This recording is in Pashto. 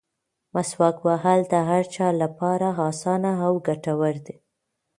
مسواک وهل د هر چا لپاره اسانه او ګټور دي.